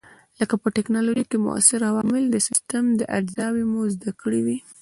لکه په ټېکنالوجۍ کې موثر عوامل او د سیسټم اجزاوې مو زده کړې وې.